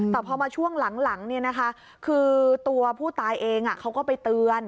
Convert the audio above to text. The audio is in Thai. แต่พอมาช่วงหลังคือตัวผู้ตายเองเขาก็ไปเตือน